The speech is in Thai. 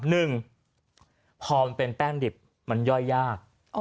หนึ่งพอมันเป็นแป้งดิบมันย่อยยาก